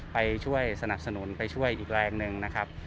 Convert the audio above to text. ไปช่วยสนับสนุนไปช่วยอีกแรงหนึ่งนะครับ